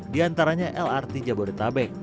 diantaranya lrt jabodetabek